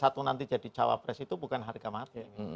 satu nanti jadi cawapres itu bukan harga marketing